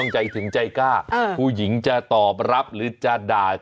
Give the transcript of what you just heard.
ใช่แต่เชื่อวนาย